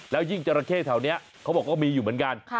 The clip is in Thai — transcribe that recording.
แล้วยิ่งจราเข้แถวนี้เขาบอกว่ามีอยู่เหมือนกัน